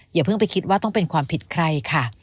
อย่าเพิ่งไปคิดว่าต้องเป็นความผิดใครค่ะ